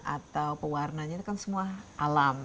atau pewarna nya itu kan semua alam